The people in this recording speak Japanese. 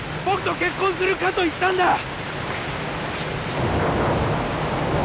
僕と結婚するかと言ったんだ！